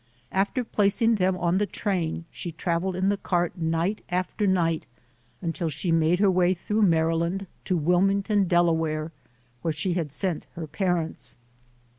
After placing them on the train, she traveled in the cart night after night until she made her way through Maryland to Wilmington, Delaware, where she had sent her parents.